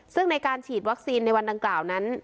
ซึ่งในการฉีดวัคซีนในวันดังกล่าวนั้น